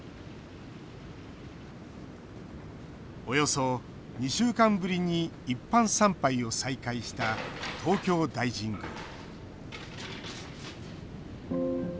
およそ２週間ぶりに一般参拝を再開した東京大神宮。